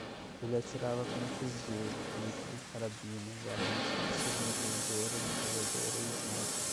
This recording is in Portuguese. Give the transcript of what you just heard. Ele atirava com um fuzil, rifle, carabina, garrucha, submetralhadora, metralhadora e sniper